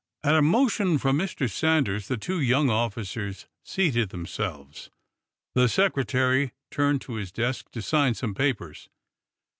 At a motion from Mr. Sanders the two young officers seated themselves. The Secretary turned to his desk to sign some papers.